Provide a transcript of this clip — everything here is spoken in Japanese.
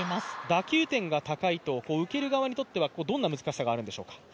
打球点が高いと受ける側にとってはどんな難しさがあるんでしょうか。